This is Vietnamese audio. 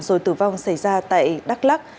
rồi tử vong xảy ra tại đắk lắc